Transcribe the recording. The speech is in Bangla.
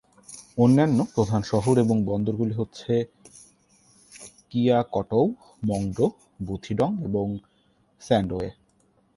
অন্যান্য প্রধান শহর এবং বন্দরগুলি হচ্ছে কিয়াকটও, মংডো, বুথিডং এবং স্যান্ডোয়ে।